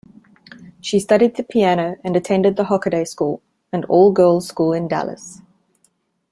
She studied the piano and attended the Hockaday School, an all-girls school in Dallas.